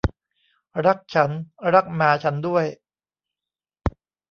รักฉัน รักหมาฉันด้วย